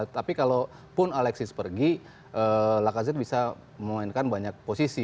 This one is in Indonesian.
tapi kalau pun alexis pergi lacazette bisa memainkan banyak posisi